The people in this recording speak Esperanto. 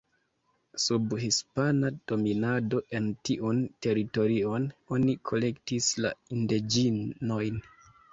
Sub hispana dominado en tiun teritorion oni kolektis la indiĝenojn.